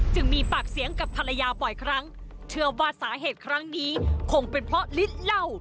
มีปากเสียงกับภรรยาบ่อยครั้งเชื่อว่าสาเหตุครั้งนี้คงเป็นเพราะฤทธิ์เหล้า